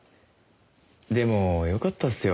でもよかったっすよ。